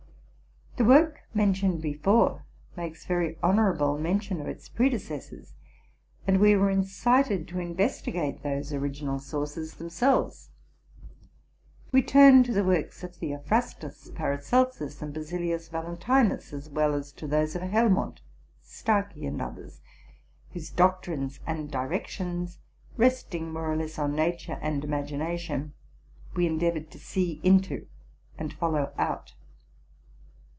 The work mentioned before makes yery honorable mention of its predecessors, and we were incited to investigate those original sources themselves. We turned to the works of Theophrastus, Paracelsus, and Basil ius Valentinus, as well as to those of Helmont, Starkey, and others, whose doctrines and directions, resting more or less on nature and imagination, we endeavored to see into and follow out.